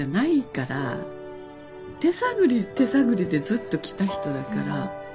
手探り手探りでずっときた人だから。